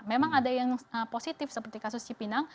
memang ada yang positif seperti kasus cipinang